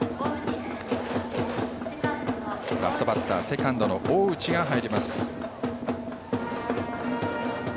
ラストバッターセカンドの大内が入ります。